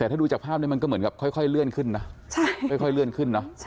แต่ถ้าดูจากภาพนี้มันก็เหมือนกับค่อยเลื่อนขึ้นนะค่อยเลื่อนขึ้นเนอะ